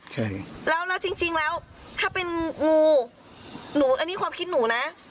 ใช่แล้วแล้วจริงแล้วถ้าเป็นงูหนูอันนี้ความคิดหนูนะ